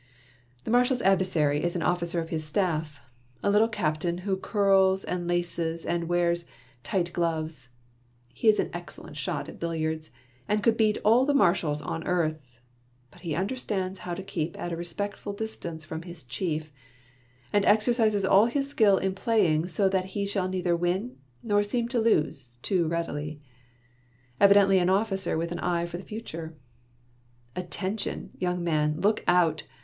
The Marshal's adversary is an officer of his staff, a little captain who curls and laces and wears light gloves; he is an excellent shot at billiards, and could beat all the marshals on earth, but he under stands how to keep at a respectful distance from his chief, and exercises all his skill in playing so that he shall neither win, nor seem to lose, too readily. Evidently an officer with an eye for the future. Attention, young man, look out